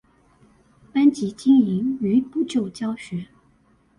班級經營與補救教學